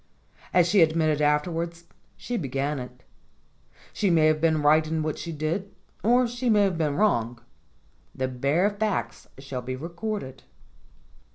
As she admitted afterwards, she began it. She may have been right in what she did, or she may have been wrong; the bare facts shall be recorded.